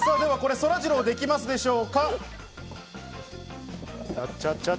そらジロー、できますでしょうか？